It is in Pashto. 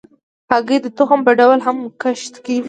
هګۍ د تخم په ډول هم کښت کېږي.